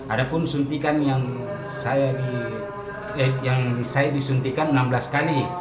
ada pun suntikan yang saya disuntikan enam belas kali